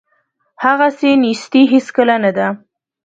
هغسې نیستي هیڅکله نه ده.